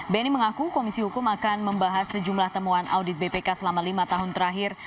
beni mengaku komisi hukum akan membahas sejumlah temuan audit bpk selama lima tahun terakhir